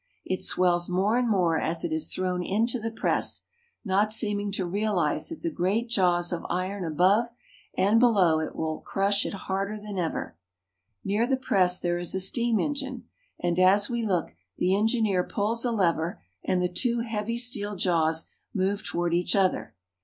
It swells more and more as it is thrown into the press, not seeming to realize that the great jaws of iron above and below it will crush it harder than ever. Near the press there is a steam engine, and, as we look, the engineer pulls a lever, and the two heavy steel jaws move toward each other.